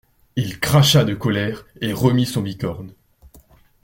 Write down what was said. Il cracha de colère et remit son bicorne.